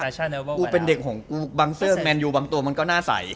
กูเป็นเด็กของกูบังเซอร์แมนยูบางตัวมันก็น่าใส